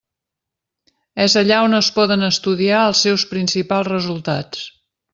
És allà on es poden estudiar els seus principals resultats.